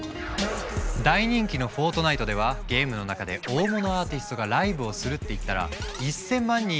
大人気の「フォートナイト」ではゲームの中で大物アーティストがライブをするって言ったら。